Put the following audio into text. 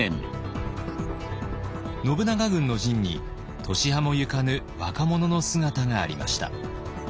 信長軍の陣に年端も行かぬ若者の姿がありました。